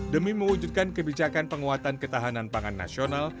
demi mewujudkan kebijakan penguatan ketahanan pangan nasional